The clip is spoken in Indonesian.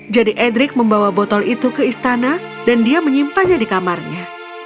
jadi edric membawa botol itu ke istana dan dia menyimpannya di kamarnya